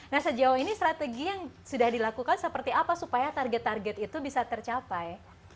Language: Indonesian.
nah sejauh ini strategi yang sudah dilakukan seperti apa supaya target target itu bisa tercapai